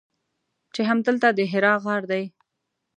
چې همدلته د حرا غار دی.